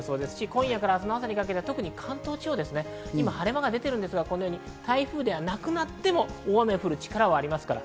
今夜から明日の朝にかけて関東地方、晴れ間が出ていますが、台風ではなくなっても大雨の降る力はあります。